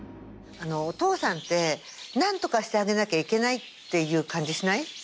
お父さんって何とかしてあげなきゃいけないっていう感じしない？